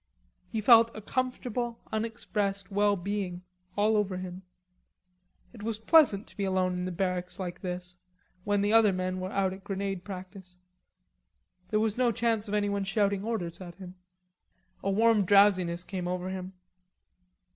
He felt a comfortable unexpressed well being all over him. It was pleasant to be alone in the barracks like this, when the other men were out at grenade practice. There was no chance of anyone shouting orders at him. A warm drowsiness came over him.